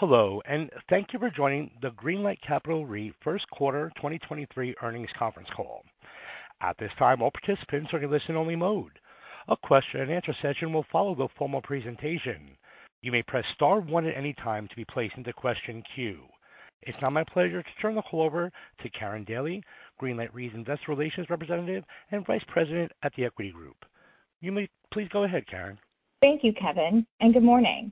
Hello, thank you for joining the Greenlight Capital Re first quarter 2023 earnings conference call. At this time, all participants are in listen-only mode. A question and answer session will follow the formal presentation. You may press star one at any time to be placed in the question queue. It's now my pleasure to turn the call over to Karin Daly, Greenlight Re's investor relations representative and Vice President at The Equity Group. You may please go ahead, Karin. Thank you, Kevin. Good morning.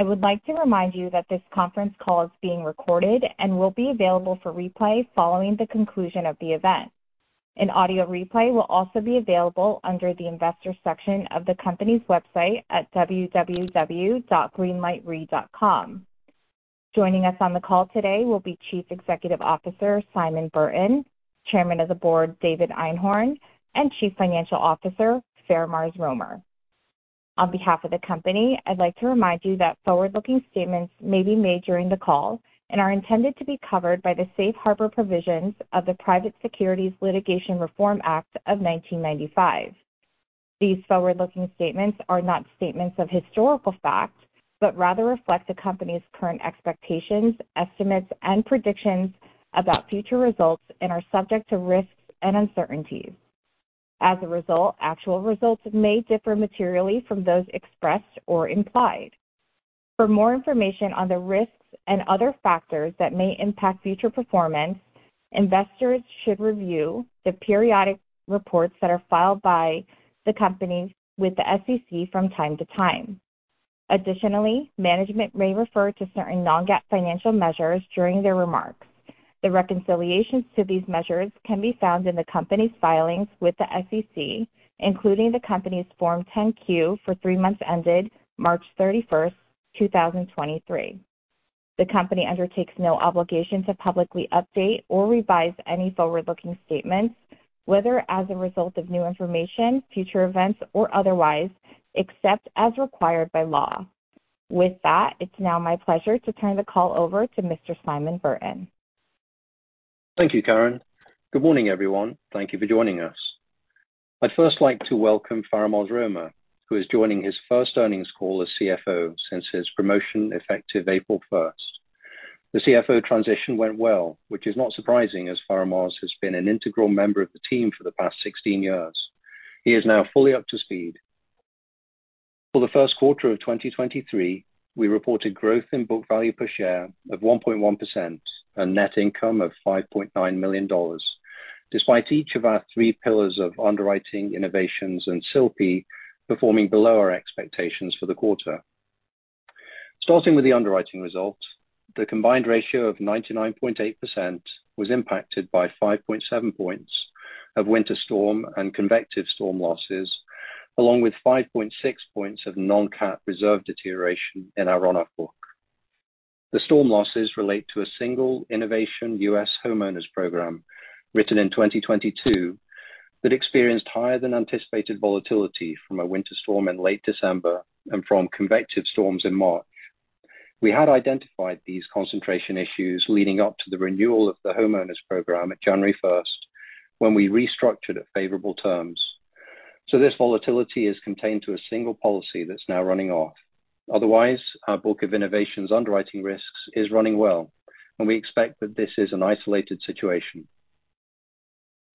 I would like to remind you that this conference call is being recorded and will be available for replay following the conclusion of the event. An audio replay will also be available under the investors section of the company's website at www.greenlightre.com. Joining us on the call today will be Chief Executive Officer, Simon Burton, Chairman of the Board, David Einhorn, and Chief Financial Officer, Faramarz Romer. On behalf of the company, I'd like to remind you that forward-looking statements may be made during the call and are intended to be covered by the safe harbor provisions of the Private Securities Litigation Reform Act of 1995. These forward-looking statements are not statements of historical fact, rather reflect the company's current expectations, estimates, and predictions about future results and are subject to risks and uncertainties. As a result, actual results may differ materially from those expressed or implied. For more information on the risks and other factors that may impact future performance, investors should review the periodic reports that are filed by the company with the SEC from time to time. Additionally, management may refer to certain non-GAAP financial measures during their remarks. The reconciliations to these measures can be found in the company's filings with the SEC, including the company's Form 10-Q for three months ended March 31st, 2023. The company undertakes no obligation to publicly update or revise any forward-looking statements, whether as a result of new information, future events, or otherwise, except as required by law. With that, it's now my pleasure to turn the call over to Mr. Simon Burton. Thank you, Karin. Good morning, everyone. Thank you for joining us. I'd first like to welcome Faramarz Romer, who is joining his first earnings call as CFO since his promotion effective April 1st. The CFO transition went well, which is not surprising as Faramarz has been an integral member of the team for the past 16 years. He is now fully up to speed. For the first quarter of 2023, we reported growth in book value per share of 1.1% and net income of $5.9 million, despite each of our three pillars of underwriting, innovations and SILP performing below our expectations for the quarter. Starting with the underwriting results, the combined ratio of 99.8% was impacted by 5.7 points of winter storm and convective storm losses, along with 5.6 points of non-CAP reserve deterioration in our run-off book. The storm losses relate to a single innovation U.S. homeowners program written in 2022 that experienced higher than anticipated volatility from a winter storm in late December and from convective storms in March. We had identified these concentration issues leading up to the renewal of the homeowners program at January first when we restructured at favorable terms. This volatility is contained to a single policy that's now running off. Otherwise, our book of innovations underwriting risks is running well, and we expect that this is an isolated situation.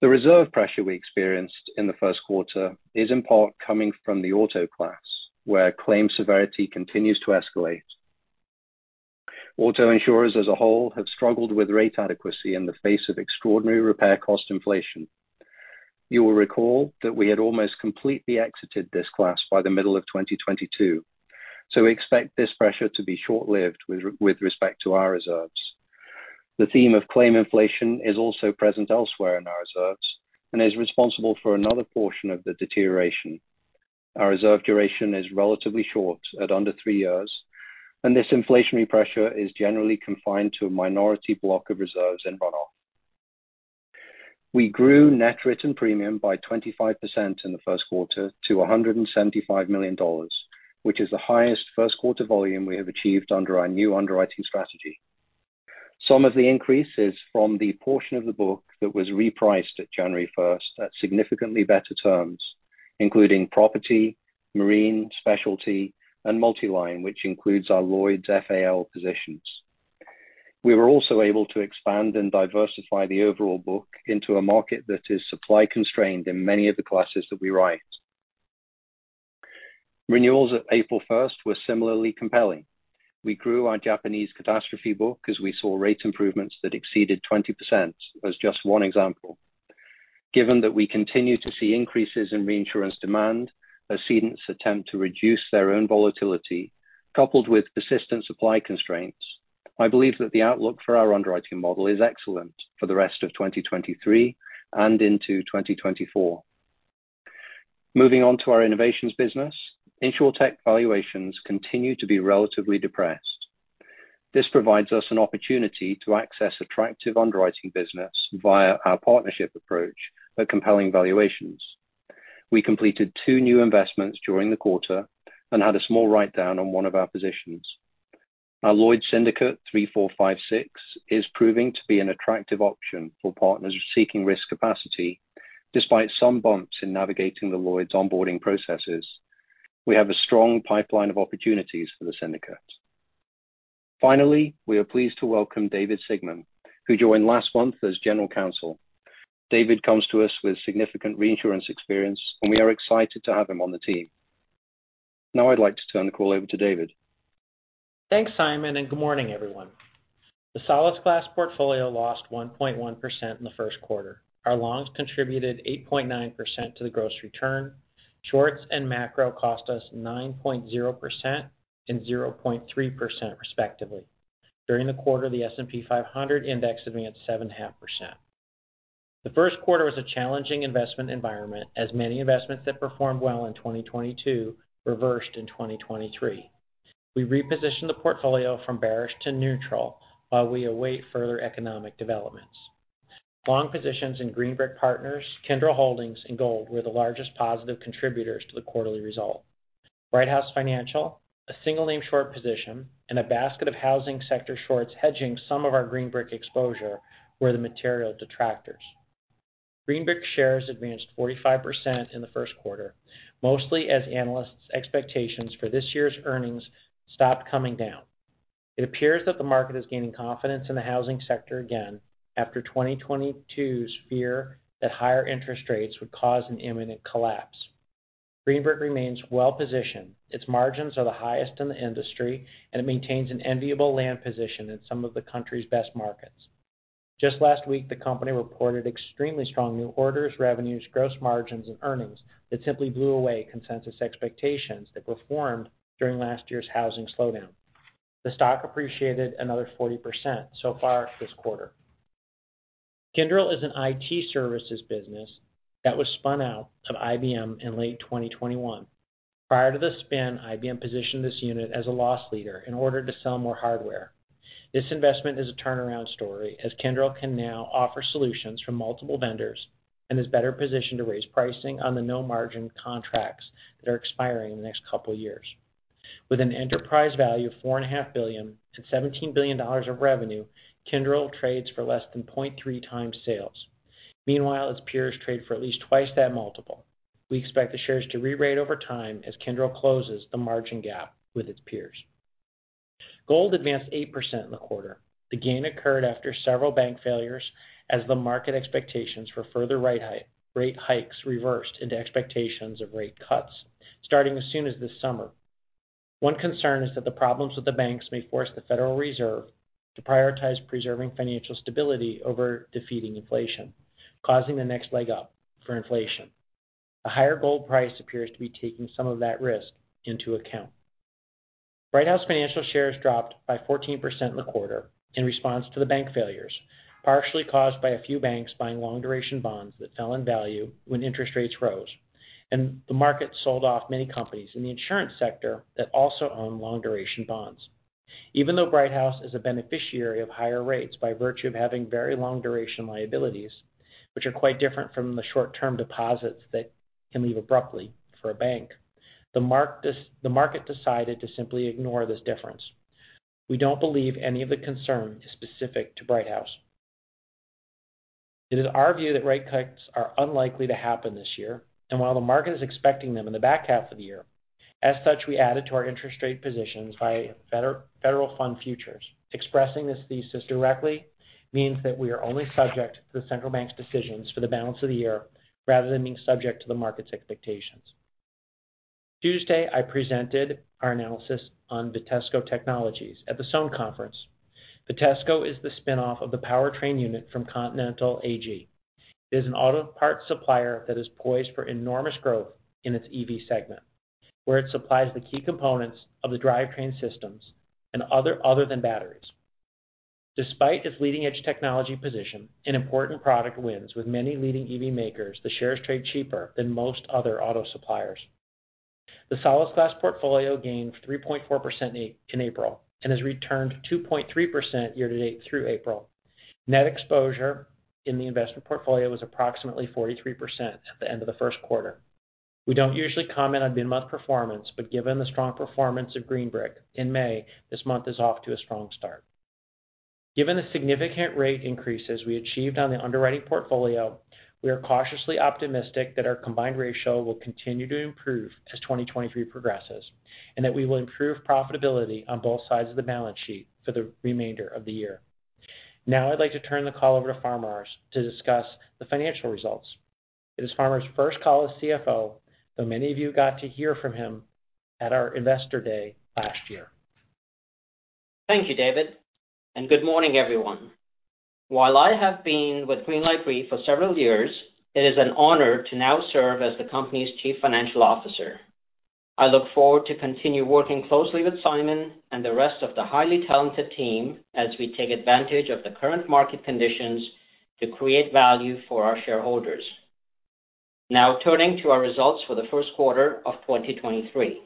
The reserve pressure we experienced in the first quarter is in part coming from the auto class, where claim severity continues to escalate. Auto insurers as a whole have struggled with rate adequacy in the face of extraordinary repair cost inflation. You will recall that we had almost completely exited this class by the middle of 2022. We expect this pressure to be short-lived with respect to our reserves. The theme of claim inflation is also present elsewhere in our reserves and is responsible for another portion of the deterioration. Our reserve duration is relatively short at under three years, and this inflationary pressure is generally confined to a minority block of reserves in run-off. We grew net written premium by 25% in the first quarter to $175 million, which is the highest first quarter volume we have achieved under our new underwriting strategy. Some of the increase is from the portion of the book that was repriced at January 1st at significantly better terms, including property, marine, specialty, and multi-line, which includes our Lloyd's FAL positions. We were also able to expand and diversify the overall book into a market that is supply constrained in many of the classes that we write. Renewals at April 1st were similarly compelling. We grew our Japanese catastrophe book because we saw rate improvements that exceeded 20% as just one example. Given that we continue to see increases in reinsurance demand as cedents attempt to reduce their own volatility coupled with persistent supply constraints, I believe that the outlook for our underwriting model is excellent for the rest of 2023 and into 2024. Moving on to our innovations business. Insurtech valuations continue to be relatively depressed. This provides us an opportunity to access attractive underwriting business via our partnership approach at compelling valuations. We completed two new investments during the quarter and had a small write-down on one of our positions. Our Lloyd's Syndicate 3456 is proving to be an attractive option for partners seeking risk capacity Despite some bumps in navigating the Lloyd's onboarding processes, we have a strong pipeline of opportunities for the syndicate. We are pleased to welcome David Sigmon, who joined last month as general counsel. David comes to us with significant reinsurance experience, and we are excited to have him on the team. I'd like to turn the call over to David. Thanks, Simon. Good morning, everyone. The Solasglas portfolio lost 1.1% in the first quarter. Our loans contributed 8.9% to the gross return. Shorts and macro cost us 9.0% and 0.3% respectively. During the quarter, the S&P 500 index advanced 7.5%. The first quarter was a challenging investment environment as many investments that performed well in 2022 reversed in 2023. We repositioned the portfolio from bearish to neutral while we await further economic developments. Long positions in Green Brick Partners, Kyndryl Holdings, and Gold were the largest positive contributors to the quarterly result. Brighthouse Financial, a single name short position and a basket of housing sector shorts hedging some of our Green Brick exposure were the material detractors. Green Brick shares advanced 45% in the first quarter, mostly as analysts' expectations for this year's earnings stopped coming down. It appears that the market is gaining confidence in the housing sector again after 2022's fear that higher interest rates would cause an imminent collapse. Green Brick remains well-positioned. Its margins are the highest in the industry, and it maintains an enviable land position in some of the country's best markets. Just last week, the company reported extremely strong new orders, revenues, gross margins, and earnings that simply blew away consensus expectations that were formed during last year's housing slowdown. The stock appreciated another 40% so far this quarter. Kyndryl is an IT services business that was spun out of IBM in late 2021. Prior to the spin, IBM positioned this unit as a loss leader in order to sell more hardware. This investment is a turnaround story as Kyndryl can now offer solutions from multiple vendors and is better positioned to raise pricing on the no-margin contracts that are expiring in the next couple of years. With an enterprise value of $4.5 billion and $17 billion of revenue, Kyndryl trades for less than 0.3x sales. Meanwhile, its peers trade for at least twice that multiple. We expect the shares to rerate over time as Kyndryl closes the margin gap with its peers. Gold advanced 8% in the quarter. The gain occurred after several bank failures as the market expectations for further rate hikes reversed into expectations of rate cuts starting as soon as this summer. One concern is that the problems with the banks may force the Federal Reserve to prioritize preserving financial stability over defeating inflation, causing the next leg up for inflation. A higher gold price appears to be taking some of that risk into account. Brighthouse Financial shares dropped by 14% in the quarter in response to the bank failures, partially caused by a few banks buying long-duration bonds that fell in value when interest rates rose and the market sold off many companies in the insurance sector that also own long-duration bonds. Even though Brighthouse is a beneficiary of higher rates by virtue of having very long-duration liabilities, which are quite different from the short-term deposits that can leave abruptly for a bank, the market decided to simply ignore this difference. We don't believe any of the concern is specific to Brighthouse. It is our view that rate cuts are unlikely to happen this year and while the market is expecting them in the back half of the year. As such, we added to our interest rate positions via federal funds futures. Expressing this thesis directly means that we are only subject to the central bank's decisions for the balance of the year rather than being subject to the market's expectations. Tuesday, I presented our analysis on Vitesco Technologies at the Sohn Conference. Vitesco is the spin-off of the powertrain unit from Continental AG. It is an auto parts supplier that is poised for enormous growth in its EV segment, where it supplies the key components of the drivetrain systems other than batteries. Despite its leading-edge technology position and important product wins with many leading EV makers, the shares trade cheaper than most other auto suppliers. The Solasglas portfolio gained 3.4% in April and has returned 2.3% year-to-date through April. Net exposure in the investment portfolio was approximately 43% at the end of the first quarter. We don't usually comment on mid-month performance, but given the strong performance of Green Brick in May, this month is off to a strong start. Given the significant rate increases we achieved on the underwriting portfolio, we are cautiously optimistic that our combined ratio will continue to improve as 2023 progresses and that we will improve profitability on both sides of the balance sheet for the remainder of the year. I'd like to turn the call over to Faramarz to discuss the financial results. It is Faramarz's first call as CFO, though many of you got to hear from him at our investor day last year. Thank you, David, good morning, everyone. While I have been with Greenlight Re for several years, it is an honor to now serve as the company's chief financial officer. I look forward to continuing working closely with Simon and the rest of the highly talented team as we take advantage of the current market conditions to create value for our shareholders. Now turning to our results for the first quarter of 2023.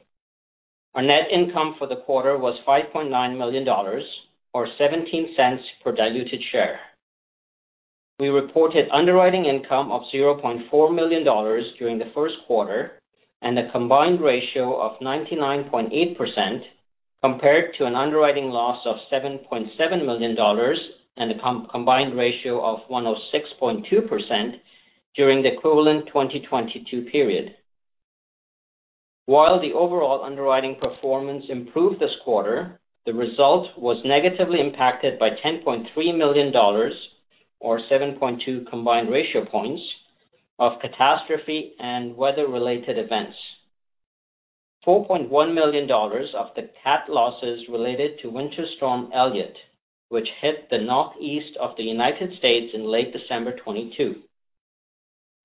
Our net income for the quarter was $5.9 million or $0.17 per diluted share. We reported underwriting income of $0.4 million during the first quarter and a combined ratio of 99.8%. Compared to an underwriting loss of $7.7 million and a combined ratio of 106.2% during the equivalent 2022 period. While the overall underwriting performance improved this quarter, the result was negatively impacted by $10.3 million or 7.2 combined ratio points of catastrophe and weather-related events. $4.1 million of the cat losses related to Winter Storm Elliott, which hit the northeast of the United States in late December 2022.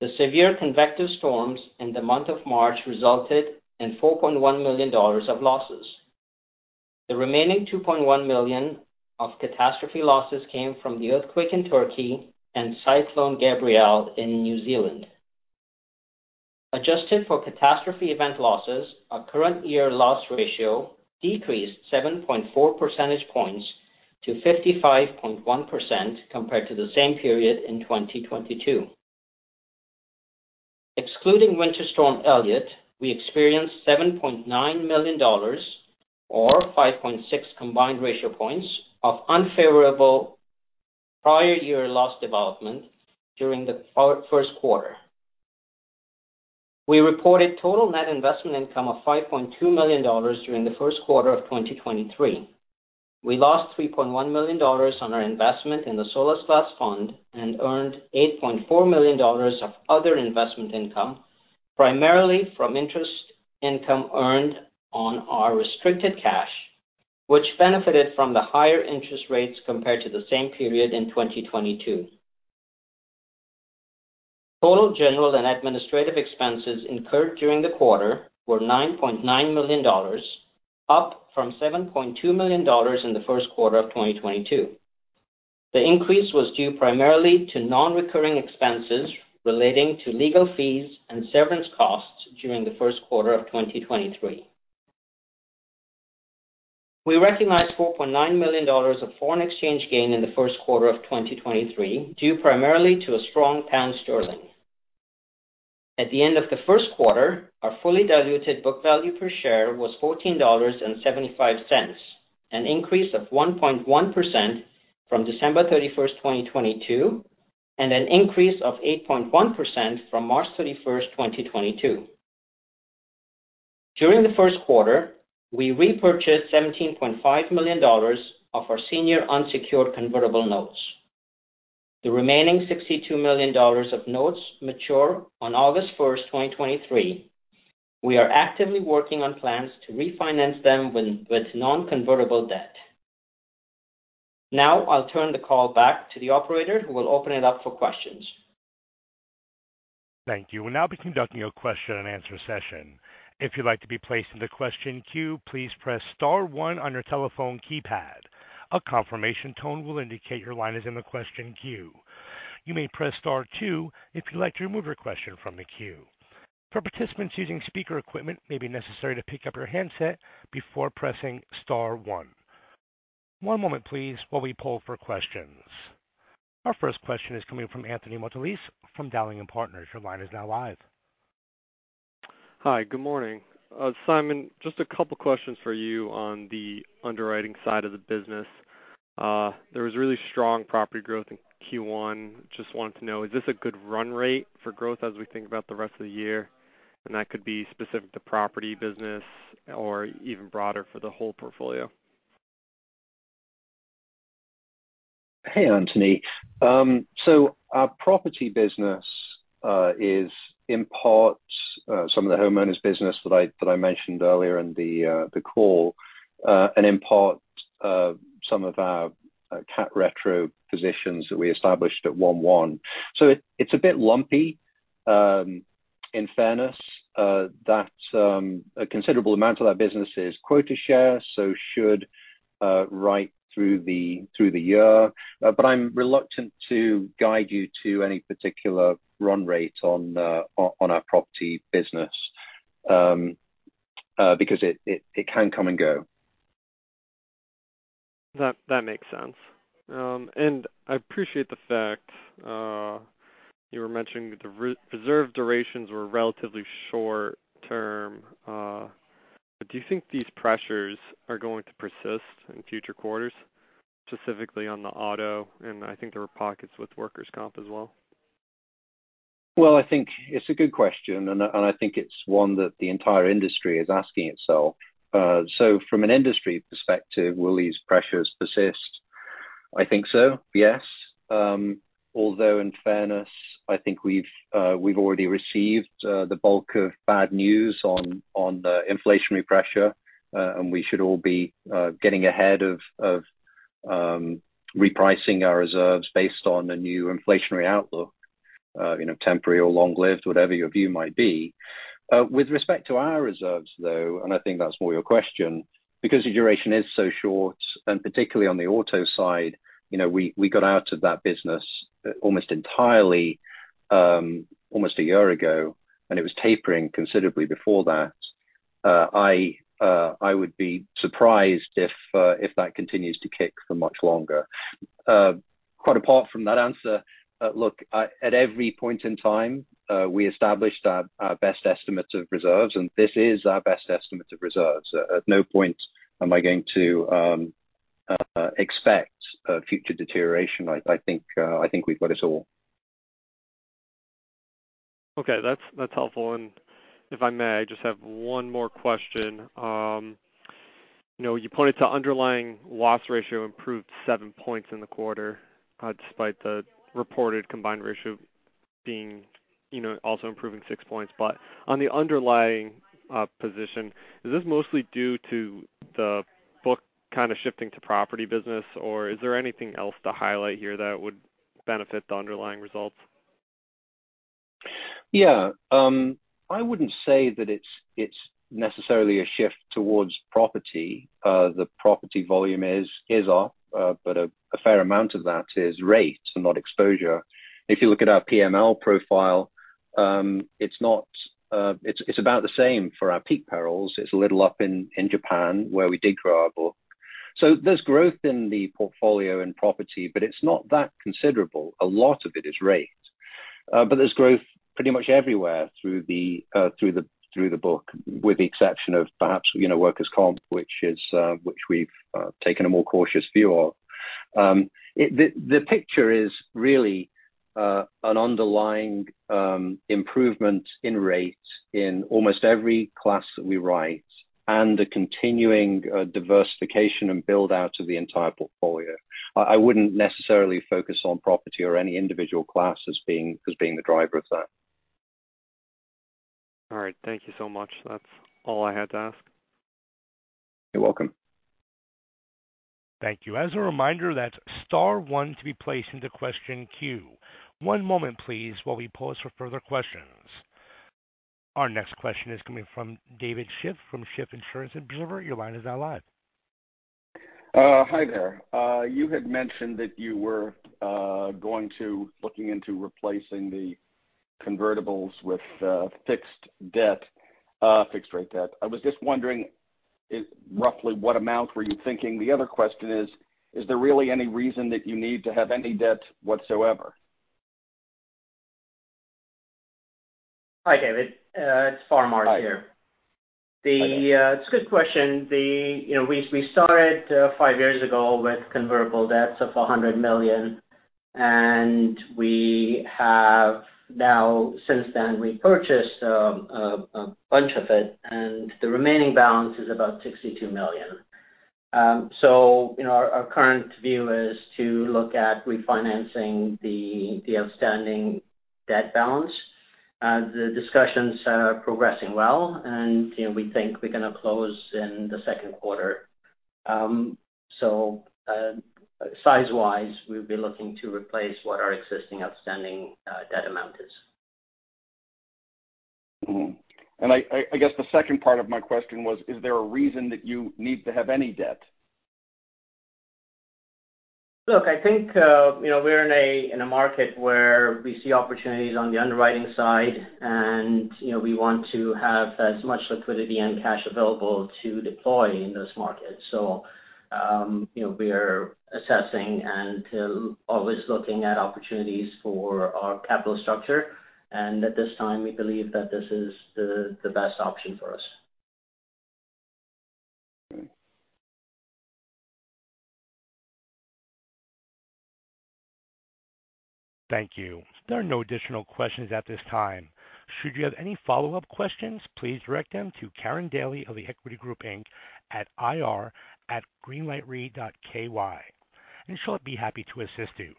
The severe convective storms in the month of March resulted in $4.1 million of losses. The remaining $2.1 million of catastrophe losses came from the earthquake in Turkey and Cyclone Gabrielle in New Zealand. Adjusted for catastrophe event losses, our current year loss ratio decreased 7.4 percentage points to 55.1% compared to the same period in 2022. Excluding Winter Storm Elliott, we experienced $7.9 million or 5.6 combined ratio points of unfavorable prior year loss development during the first quarter. We reported total net investment income of $5.2 million during the first quarter of 2023. We lost $3.1 million on our investment in the Solasglas fund and earned $8.4 million of other investment income, primarily from interest income earned on our restricted cash, which benefited from the higher interest rates compared to the same period in 2022. Total general and administrative expenses incurred during the quarter were $9.9 million, up from $7.2 million in the first quarter of 2022. The increase was due primarily to non-recurring expenses relating to legal fees and severance costs during the first quarter of 2023. We recognized $4.9 million of foreign exchange gain in the first quarter of 2023, due primarily to a strong pound sterling. At the end of the first quarter, our fully diluted book value per share was $14.75, an increase of 1.1% from December 31, 2022, and an increase of 8.1% from March 31, 2022. During the first quarter, we repurchased $17.5 million of our senior unsecured convertible notes. The remaining $62 million of notes mature on August 1, 2023. We are actively working on plans to refinance them with non-convertible debt. I'll turn the call back to the operator, who will open it up for questions. Thank you. We'll now be conducting a question and answer session. If you'd like to be placed in the question queue, please press star one on your telephone keypad. A confirmation tone will indicate your line is in the question queue. You may press star two if you'd like to remove your question from the queue. For participants using speaker equipment, it may be necessary to pick up your handset before pressing star one. One moment please while we poll for questions. Our first question is coming from Anthony Mottolese from Dowling & Partners. Your line is now live. Hi. Good morning. Simon, just a couple of questions for you on the underwriting side of the business. There was really strong property growth in Q1. Just wanted to know, is this a good run rate for growth as we think about the rest of the year? That could be specific to property business or even broader for the whole portfolio. Hey, Anthony. Our property business is in part some of the homeowners business that I mentioned earlier in the call, and in part some of our cat retro positions that we established at 1/1. It's a bit lumpy. In fairness, that a considerable amount of our business is quota share, so should right through the year. I'm reluctant to guide you to any particular run rate on our property business because it can come and go. That makes sense. I appreciate the fact, you were mentioning the re-reserve durations were relatively short-term. Do you think these pressures are going to persist in future quarters, specifically on the auto, and I think there were pockets with workers' comp as well? Well, I think it's a good question, and I think it's one that the entire industry is asking itself. From an industry perspective, will these pressures persist? I think so, yes. Although, in fairness, I think we've already received the bulk of bad news on the inflationary pressure, and we should all be getting ahead of repricing our reserves based on a new inflationary outlook, you know, temporary or long-lived, whatever your view might be. With respect to our reserves, though, and I think that's more your question, because the duration is so short, and particularly on the auto side, you know, we got out of that business almost entirely almost a year ago, and it was tapering considerably before that, I would be surprised if that continues to kick for much longer. Quite apart from that answer, look, at every point in time, we established our best estimates of reserves, and this is our best estimate of reserves. At no point am I going to expect a future deterioration. I think we've got it all. Okay. That's helpful. If I may, I just have one more question. You know, you pointed to underlying loss ratio improved seven points in the quarter, despite the reported combined ratio being, you know, also improving six points. On the underlying position, is this mostly due to the book kind of shifting to property business or is there anything else to highlight here that would benefit the underlying results? Yeah. I wouldn't say that it's necessarily a shift towards property. The property volume is up, but a fair amount of that is rate and not exposure. If you look at our PML profile, it's about the same for our peak perils. It's a little up in Japan where we did grow our book. There's growth in the portfolio and property, but it's not that considerable. A lot of it is rates. There's growth pretty much everywhere through the book, with the exception of perhaps, you know, workers' comp, which we've taken a more cautious view of. The picture is really an underlying improvement in rates in almost every class that we write and a continuing diversification and build-out of the entire portfolio. I wouldn't necessarily focus on property or any individual class as being the driver of that. All right. Thank you so much. That's all I had to ask. You're welcome. Thank you. As a reminder, that's star one to be placed into question queue. One moment please while we pause for further questions. Our next question is coming from David Schiff from Schiff's Insurance Observer. Your line is now live. Hi there. You had mentioned that you were going to looking into replacing the convertibles with fixed debt, fixed rate debt. I was just wondering, roughly what amount were you thinking? The other question is there really any reason that you need to have any debt whatsoever? Hi, David. It's Faramarz Romer here. Hi. It's a good question. you know, we started five years ago with convertible debts of $100 million, and we have now since then repurchased a bunch of it, and the remaining balance is about $62 million. you know, our current view is to look at refinancing the outstanding debt balance. The discussions are progressing well, and, you know, we think we're gonna close in the second quarter. size-wise, we'll be looking to replace what our existing outstanding debt amount is. Mm-hmm. I guess the second part of my question was, is there a reason that you need to have any debt? Look, I think, you know, we're in a market where we see opportunities on the underwriting side and, you know, we want to have as much liquidity and cash available to deploy in those markets. You know, we are assessing and always looking at opportunities for our capital structure. At this time, we believe that this is the best option for us. Mm-hmm. Thank you. There are no additional questions at this time. Should you have any follow-up questions, please direct them to Karin Daly of The Equity Group Inc. at IR@greenlightre.ky, and she'll be happy to assist you.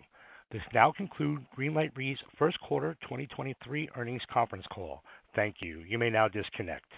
This now conclude Greenlight Re's first quarter 2023 earnings conference call. Thank you. You may now disconnect.